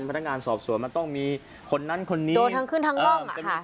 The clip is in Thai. พนักงานสอบสวนมันต้องมีคนนั้นคนนี้โดนขึ้นทั้งหล่องเออจำเป็น